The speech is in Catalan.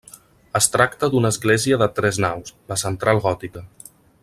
Es tracta d'una església de tres naus, la central gòtica.